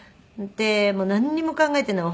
でなんにも考えてない。